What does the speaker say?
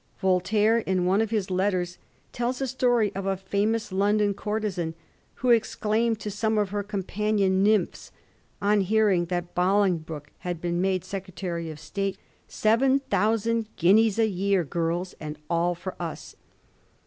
Voltaire, in one of his letters, tells a story of a famous London courtesan who exclaimed to some of her companion nymphs on hearing that Bolingbroke had been made Secretary of State, ^ Seven thousand guineas a year, girls, and all for us